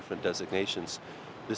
chúng ta có thể